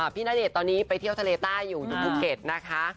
ณเดชน์ตอนนี้ไปเที่ยวทะเลใต้อยู่อยู่ภูเก็ตนะคะ